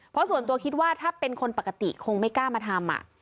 เพราะส่วนตัวคิดว่าถ้าเป็นคนปกติคงไม่กล้ามาทำ